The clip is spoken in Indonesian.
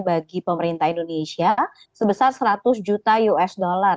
bagi pemerintah indonesia sebesar seratus juta usd